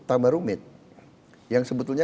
tambah rumit yang sebetulnya